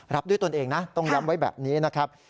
รับด้วยตนเองนะต้องย้ำไว้แบบนี้นะครับ